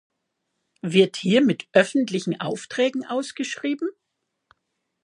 Wird hier mit öffentlichen Aufträgen ausgeschrieben?